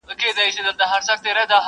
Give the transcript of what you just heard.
کله نا کله به راتلل ورته د ښار مېلمانه!!